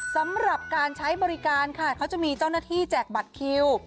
สำหรับการใช้บริการค่ะเขาจะมีเจ้าหน้าที่แจกบัตรคิว